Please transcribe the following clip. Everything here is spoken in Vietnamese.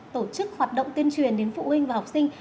tổ chức hoạt động tuyên truyền đến phụ huynh và học sinh